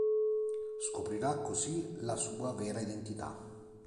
Scoprirà così la sua vera identità…